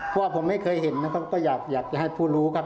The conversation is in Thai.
เพราะว่าผมไม่เคยเห็นก็อยากให้ผู้รู้ครับ